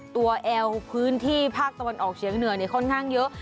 แอลพื้นที่ภาคตะวันออกเฉียงเหนือค่อนข้างเยอะ